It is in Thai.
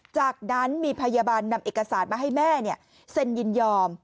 จากนั้นมีพยาบาลนำเอกสารมาให้แม่เซ็นยินยอม